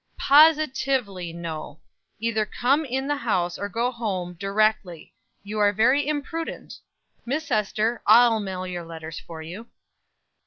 "Positively, no. Either come in the house, or go home directly. You are very imprudent. Miss Ester, I'll mail your letters for you."